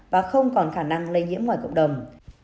và không còn khả năng lây nhiễm ngoài cộng đồng